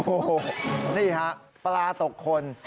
โอ้โหนี่ฮะปลาตกคน